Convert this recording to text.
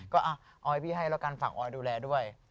ก็เอาให้พี่ให้แล้วก็ฝักออยดูแลด้วย